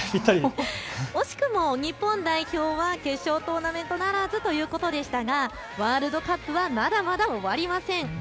惜しくも日本代表は決勝トーナメントならずということでしたがワールドカップはまだまだ終わりません。